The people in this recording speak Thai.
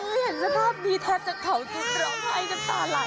เห็นสภาพดีแทบจากเข่าจุดเหล่าไห้จากตาไหล